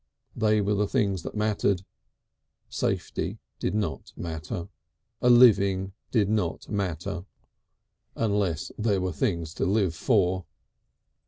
They were the things that mattered. Safety did not matter. A living did not matter unless there were things to live for....